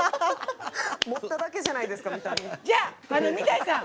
持っただけじゃないですか、三谷さん。